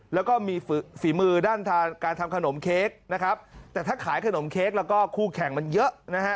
แล้วก็มีฝีมือด้านการทำขนมเค้กนะครับแต่ถ้าขายขนมเค้กแล้วก็คู่แข่งมันเยอะนะฮะ